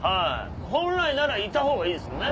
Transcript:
本来ならいたほうがいいですもんね。